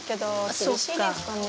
厳しいですかね。